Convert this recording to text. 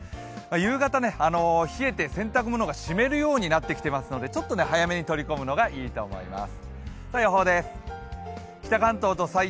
夕方、冷えて洗濯物が湿るようになってきていますのでちょっと早めに取り込むのがいいと思います。